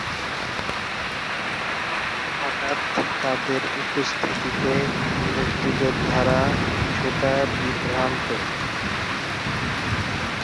হঠাৎ তাদের উপস্থিতিতে মুক্তিযোদ্ধারা কিছুটা বিভ্রান্ত।